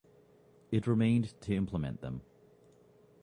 It remained to implement them.